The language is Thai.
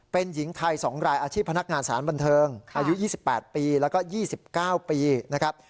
เป็นหญิงไทยสองรายอาชีพพนักงานสารบันเทิงอายุยี่สิบแปดปีแล้วก็ยี่สิบเก้าปีนะครับ